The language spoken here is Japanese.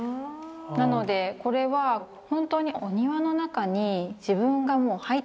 なのでこれは本当にお庭の中に自分がもう入ってしまうというか。